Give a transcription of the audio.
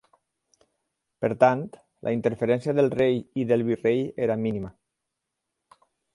Per tant, la interferència del rei i del virrei era mínima.